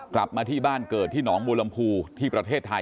กลับมาที่บ้านเกิดที่หนองบัวลำพูที่ประเทศไทย